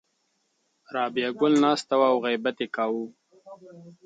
رابعه ګل ناسته وه او غیبت یې کاوه.